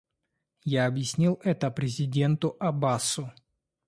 Я объяснил это президенту Аббасу.